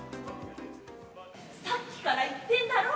さっきから言ってんだろ。